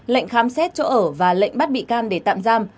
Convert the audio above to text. lệnh khám xét chỗ ở và lệnh bắt bị can để tạm giam